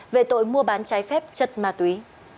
về tội mua bán trái phép chất ma túy